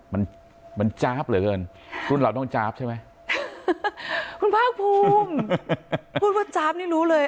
มันมันจ๊าบเหลือเกินรุ่นเราต้องจ๊าบใช่ไหมคุณภาคภูมิพูดว่าจ๊าบนี่รู้เลย